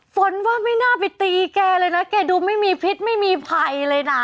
ฝนว่าไม่น่าไปตีแกเลยนะแกดูไม่มีพิษไม่มีภัยเลยนะ